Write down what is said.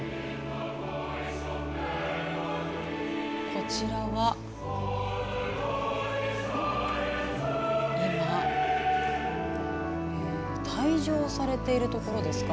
こちらは退場されているところですか。